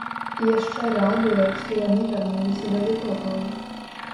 І яшчэ радуе, што яны вярнуліся да вытокаў.